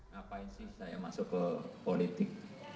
ngapain sih saya masuk ke politik